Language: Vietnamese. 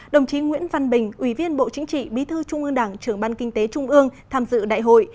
đồng chí nguyễn văn bình ủy viên bộ chính trị bí thư trung ương đảng trưởng ban kinh tế trung ương tham dự đại hội